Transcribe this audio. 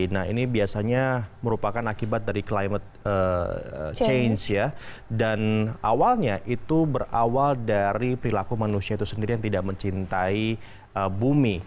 nah ini biasanya merupakan akibat dari climate change ya dan awalnya itu berawal dari perilaku manusia itu sendiri yang tidak mencintai bumi